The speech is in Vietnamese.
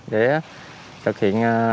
để thực hiện